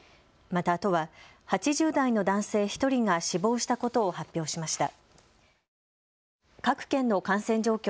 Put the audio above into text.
また都は８０代の男性１人が死亡したことを発表しました。